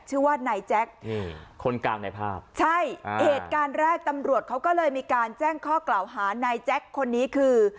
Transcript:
ชื่อว่านายแจ๊คคนกลางในภาพใช่เหตุการณ์แรกตำรวจเขาก็เลยมีการแจ้งข้อกล่าวหานายแจ็คคนนี้คือ